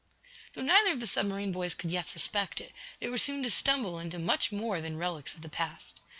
Though neither of the submarine boys could yet suspect it, they were soon to stumble into much more than relics of the past.